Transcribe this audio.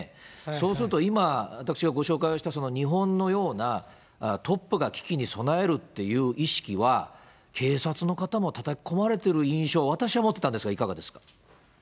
そうすると今、私がご紹介をした日本のようなトップが危機に備えるっていう意識は、警察の方もたたき込まれている印象、私は持ってたんですけど、いかがですか。